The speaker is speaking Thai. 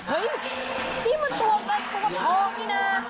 เห้ยมันตัวกับตัวทองดีน้า